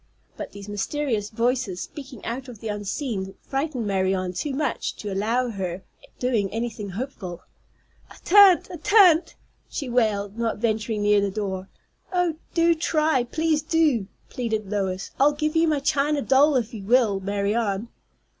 But these mysterious voices speaking out of the unseen frightened Marianne too much to allow of her doing anything helpful. "I tan't! I tan't!" she wailed, not venturing near the door. "Oh, do try, please do!" pleaded Lois. "I'll give you my china doll if you will, Marianne."